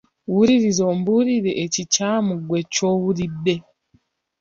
Wuliriza ombuulire ekikyamu ggwe ky'owulidde.